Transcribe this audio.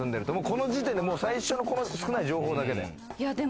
この時点で、少ない情報だけで。